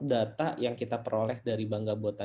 data yang kita peroleh dari bank